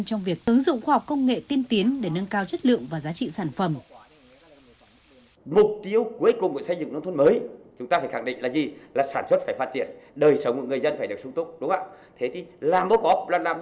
trong việc ứng dụng khoa học công nghệ tiên tiến để nâng cao chất lượng và giá trị sản phẩm